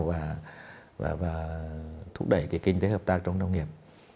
và thúc đẩy cái kinh tế hợp tác trong nông nghiệp